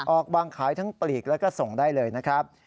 ออกวางขายทั้งปลีกแล้วก็ส่งได้เลยนะครับ